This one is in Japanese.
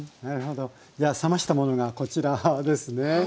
冷ましたものがこちらですね。